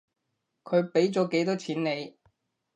佢畀咗幾多錢你？